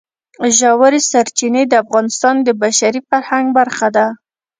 ژورې سرچینې د افغانستان د بشري فرهنګ برخه ده.